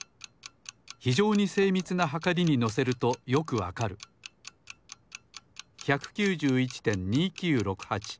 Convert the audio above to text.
ひじょうにせいみつなはかりにのせるとよくわかる。１９１．２９６８。